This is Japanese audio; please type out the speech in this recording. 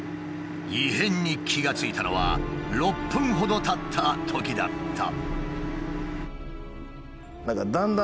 異変に気が付いたのは６分ほどたったときだった。